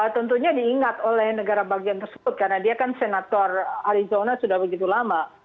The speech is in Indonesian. tentunya diingat oleh negara bagian tersebut karena dia kan senator arizona sudah begitu lama